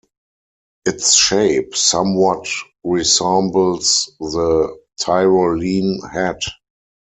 Its shape somewhat resembles the Tyrolean hat.